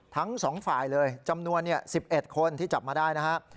ทั้งสองฝ่ายเลยจำนวน๑๑คนที่จับมาได้นะครับ